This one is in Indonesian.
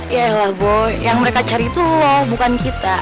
yaelah boy yang mereka cari itu lo bukan kita